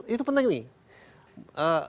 itu penting nih